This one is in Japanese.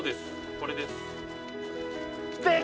これです